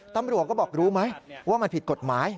ตำรวจก็บอกรู้ไหมว่ามันผิดกฎหมาย